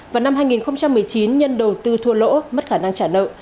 vào năm hai nghìn một mươi chín nhân đầu tư thua lỗ mất khả năng trả nợ